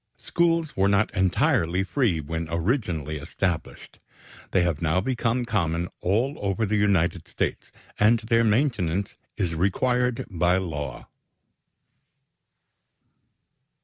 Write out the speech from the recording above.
Schools were not entirely free when originally established. They have now become common all over the United States, and their maintenance is required by law.